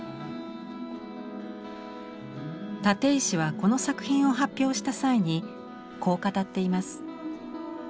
立石はこの作品を発表した際にこう語っています。